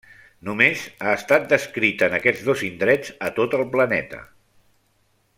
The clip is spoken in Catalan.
Només ha estat descrita en aquests dos indrets a tot el planeta.